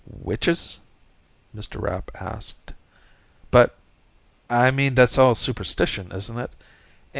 "Witches?" Mr. Rapp asked. "But ... I mean, that's all superstition, isn't it?